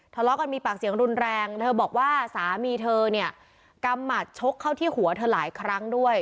ทะเลาะกันมีปากเสียงรุนแรงเธอบอกว่าสามีเธอเนี่ยกำหมัดชกเข้าที่หัวเธอหลายครั้งด้วย